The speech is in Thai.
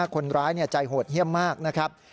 คนร้ายใจโหดเยี่ยมมากนะครับ